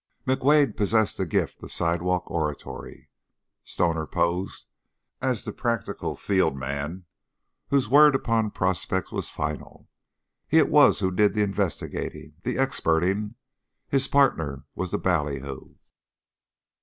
McWade possessed the gift of sidewalk oratory; Stoner posed as the practical field man whose word upon prospects was final. He it was who did the investigating, the "experting"; his partner was the bally hoo.